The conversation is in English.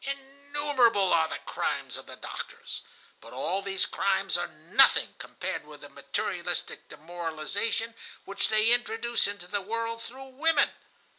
Innumerable are the crimes of the doctors! But all these crimes are nothing compared with the materialistic demoralization which they introduce into the world through women.